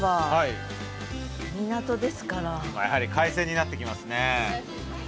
やはり海鮮になってきますね。